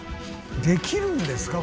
できるんですか？